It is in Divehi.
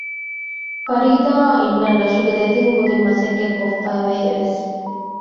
ފަރީދާއާ އިންނަން ރަށުގެ ދެތިން ކުދިން މަސައްކަތް ކޮށްފައިވޭ ވެސް